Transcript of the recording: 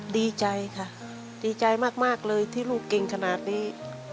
ดีใจค่ะดีใจมากเลยที่ลูกเก่งขนาดนี้